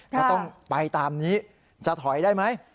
ก็ต้องไปตามนี้จะถอยได้ไหม